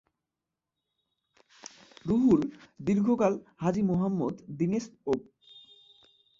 রুহুল দীর্ঘকাল হাজী মোহাম্মদ দানেশ বিজ্ঞান ও প্রযুক্তি বিশ্ববিদ্যালয়ের এগ্রিকালচারাল অ্যান্ড ইন্ডাস্ট্রিয়াল ইঞ্জিনিয়ারিং বিভাগে অধ্যাপনায় নিযুক্ত ছিলেন।